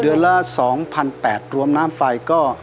เดือนละ๒๘๐๐รวมน้ำไฟก็